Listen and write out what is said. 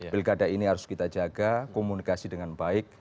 pilkada ini harus kita jaga komunikasi dengan baik